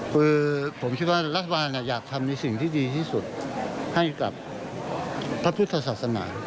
คือผมคิดว่ารัฐบาลอยากทำในสิ่งที่ดีที่สุดให้กับพระพุทธศาสนา